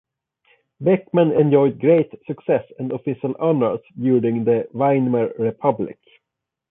Beckmann enjoyed great success and official honors during the Weimar Republic.